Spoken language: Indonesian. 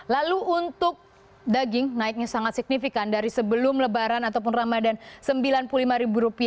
lalu untuk daging naiknya sangat signifikan dari sebelum lebaran ataupun ramadhan rp sembilan puluh lima